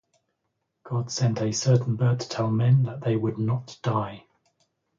God sent a certain bird to tell men that they would not die.